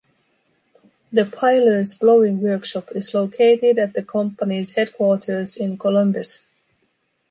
The Pylons blowing workshop is located at the company's headquarters in Colombes.